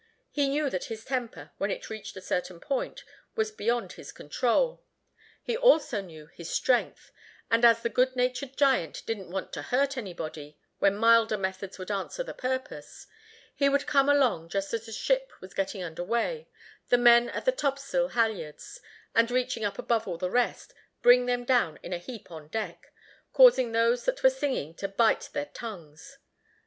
He knew that his temper, when it reached a certain point, was beyond his control. He also knew his strength; and as the good natured giant didn't want to hurt anybody when milder methods would answer the purpose, he would come along just as the ship was getting under way, the men at the topsail halyards, and reaching up above all the rest, bring them down in a heap on deck, causing those that were singing to bite their tongues.